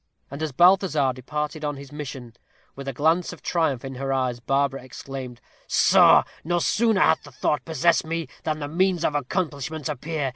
And as Balthazar departed on his mission, with a glance of triumph in her eyes, Barbara exclaimed, "Soh, no sooner hath the thought possessed me, than the means of accomplishment appear.